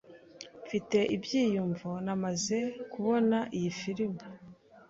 Mfite ibyiyumvo namaze kubona iyi firime.